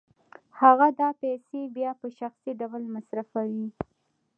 هغه دا پیسې بیا په شخصي ډول مصرفوي